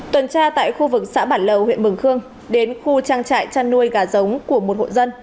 tuần tra tại khu vực xã bản lầu huyện mường khương đến khu trang trại chăn nuôi gà giống của một hộ dân